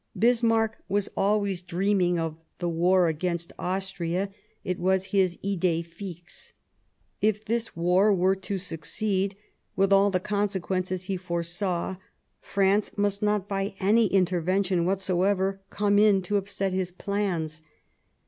Bismarck was always dreaming of the war against Austria, it was his idee fixe. If this war were to succeed, with all the consequences he foresaw, France must not by any intervention whatsoever come in to upset his plans.